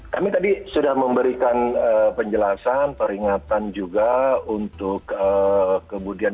kami tadi sudah memberikan penjelasan peringatan juga untuk kemudian